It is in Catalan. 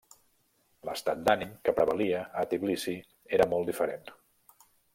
L'estat d'ànim que prevalia en Tbilissi era molt diferent.